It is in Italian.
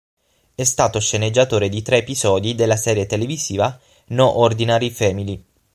È stato sceneggiatore di tre episodi della serie televisiva "No Ordinary Family".